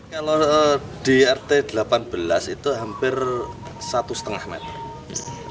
kalau di rt delapan belas itu hampir satu setengah meter